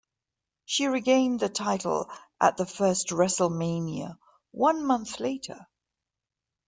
She regained the title at the first WrestleMania one month later.